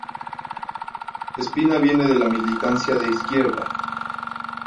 Espina viene de la militancia de izquierda.